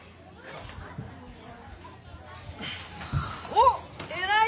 おっ偉い。